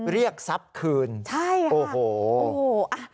เรียกทรัพย์คืนโอ้โหใช่ค่ะ